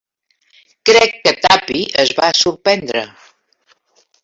Crec que Tuppy es va sorprendre.